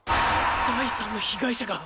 第３の被害者が。